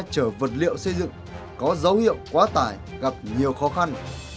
những chiếc xe chở vật liệu xây dựng có dấu hiệu quá tải gặp nhiều khó khăn